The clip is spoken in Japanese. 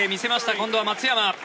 今度は松山。